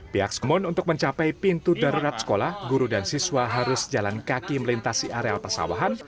pihak smoon untuk mencapai pintu darurat sekolah guru dan siswa harus jalan kaki melintasi areal persawahan